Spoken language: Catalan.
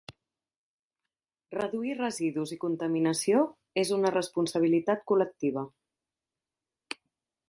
Reduir residus i contaminació és una responsabilitat col·lectiva.